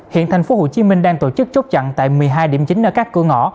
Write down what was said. hiện thành phố hồ chí minh đang tổ chức chốt chặn tại một mươi hai điểm chính ở các cửa ngõ